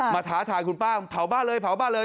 ท้าทายคุณป้าเผาบ้านเลยเผาบ้านเลย